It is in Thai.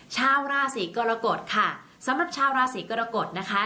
ชาวราศีกรกฎค่ะสำหรับชาวราศีกรกฎนะคะ